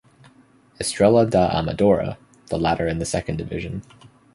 Estrela da Amadora, the latter in the second division.